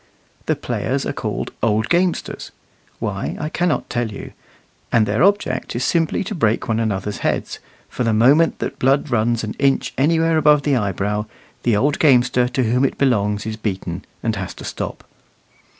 The players are called "old gamesters" why, I can't tell you and their object is simply to break one another's heads; for the moment that blood runs an inch anywhere above the eyebrow, the old gamester to whom it belongs is beaten, and has to stop.